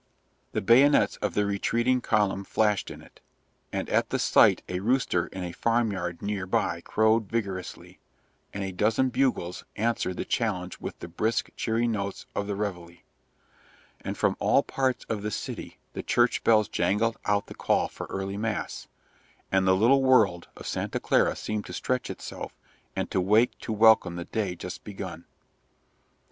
The bayonets of the retreating column flashed in it, and at the sight a rooster in a farm yard near by crowed vigorously, and a dozen bugles answered the challenge with the brisk, cheery notes of the reveille, and from all parts of the city the church bells jangled out the call for early mass, and the little world of Santa Clara seemed to stretch itself and to wake to welcome the day just begun.